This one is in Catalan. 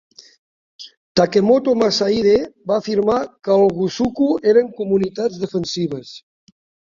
Takemoto Masahide va afirmar que els gusuku eren comunitats defensives.